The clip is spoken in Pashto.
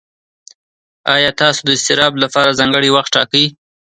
ایا تاسو د اضطراب لپاره ځانګړی وخت ټاکئ؟